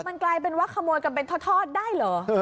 มันกลายเป็นว่าขโมยกันเป็นทอดได้เหรอ